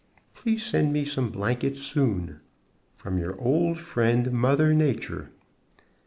Please send me some blankets soon. From your old friend, Mother Nature.